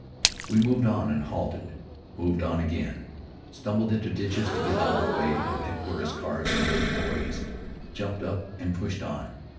We moved on and halted, moved on again, stumbled into ditches to get out of the way of headquarters cars and motor lorries, jumped up and pushed on.